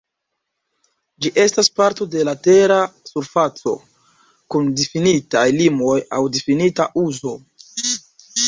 Ĝi estas parto de la tera surfaco, kun difinitaj limoj aŭ difinita uzo.